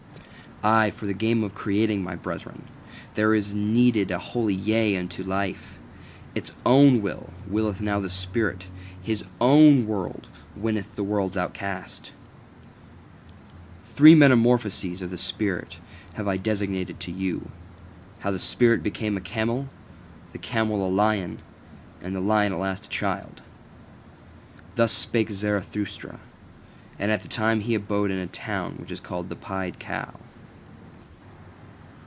Aye, for the game of creating, my brethren, there is needed a holy Yea unto life: ITS OWN will, willeth now the spirit; HIS OWN world winneth the world's outcast. Three metamorphoses of the spirit have I designated to you: how the spirit became a camel, the camel a lion, and the lion at last a child. Thus spake Zarathustra. And at that time he abode in the town which is called The Pied Cow.